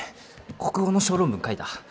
国語の小論文書いた？